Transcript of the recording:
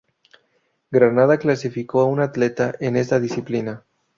Granada clasificó a un atleta en esta disciplina.